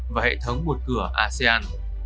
và hệ thống một cửa asean